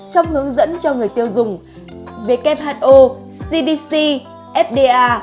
trong hướng dẫn cho người tiêu dùng who cdc fda